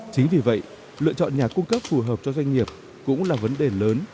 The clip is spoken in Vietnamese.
chính vì vậy lựa chọn nhà cung cấp phù hợp cho doanh nghiệp cũng là vấn đề lớn